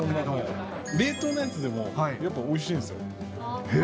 冷凍のやつでもやっぱおいしいんですよ。